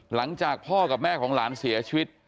หลังจากพ่อกับแม่ของหลานเสียชีวิต